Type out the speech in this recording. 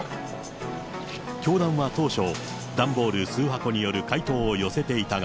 教団は当初、段ボール数箱による回答を寄せていたが、